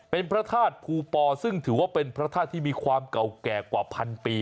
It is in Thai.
เป็นพระธาตุภูปอซึ่งถือว่าเป็นพระธาตุที่มีความเก่าแก่กว่าพันปี